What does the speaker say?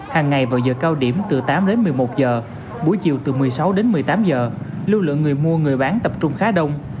hàng ngày vào giờ cao điểm từ tám đến một mươi một giờ buổi chiều từ một mươi sáu đến một mươi tám giờ lưu lượng người mua người bán tập trung khá đông